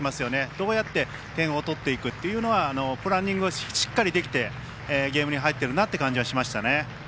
どうやって点を取っていくというプランニングがしっかりできてゲームに入っている感じがしましたね。